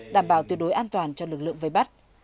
đảm bảo tuyệt đối an toàn cho lực lượng vây bắt